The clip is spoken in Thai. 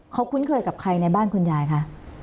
เขาคุ้นเคยกับใครในบ้านคุณยายคะ